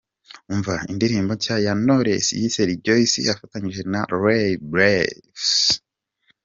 Umva indirimbo nshya ya Knowless yise "Rejoice" afatanyije na Ray Blaze.